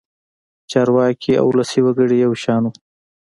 چارواکي او ولسي وګړي یو شان وو.